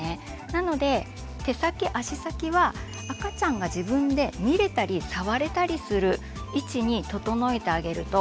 なので手先足先は赤ちゃんが自分で見れたり触れたりする位置に整えてあげると。